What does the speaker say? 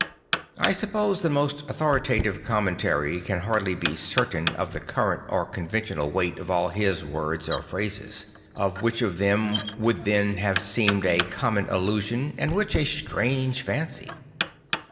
I suppose the most authoritative commentary can hardly be certain of the current or conven tional weight of all His words or phrases; of which of them would then have seemed a common allusion and which a strange fancy.